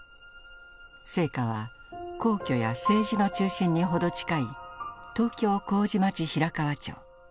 生家は皇居や政治の中心にほど近い東京・麹町平河町。